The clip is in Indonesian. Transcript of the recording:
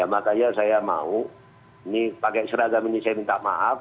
makanya saya mau ini pakai seragam ini saya minta maaf